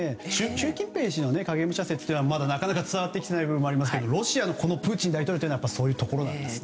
習近平氏の影武者説はなかなか伝わってきていない説もありますがロシアのプーチン大統領はそういうところなんですね。